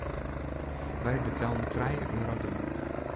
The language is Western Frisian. Wy betellen trije euro de man.